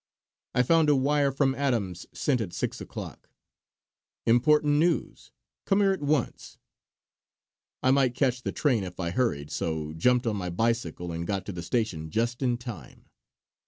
I found a wire from Adams sent at six o'clock: "Important news. Come here at once." I might catch the train if I hurried, so jumped on my bicycle and got to the station just in time.